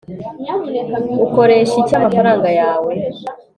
ukoresha iki amafaranga yawe